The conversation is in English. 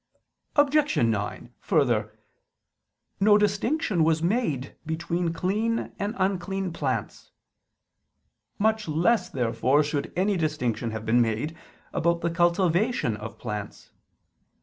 Objection 9: Further, no distinction was made between clean and unclean plants. Much less therefore should any distinction have been made about the cultivation of plants.